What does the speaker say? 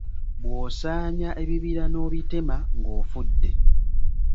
Bw’osaanya ebibira n’obitema ng’ofudde.